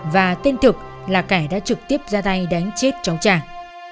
và tên thực là kẻ đã trực tiếp ra tay đánh chết cháu tràng